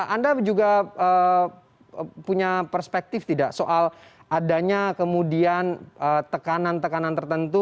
anda juga punya perspektif tidak soal adanya kemudian tekanan tekanan tertentu